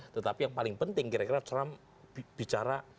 tetapi yang paling penting kira kira trump bicara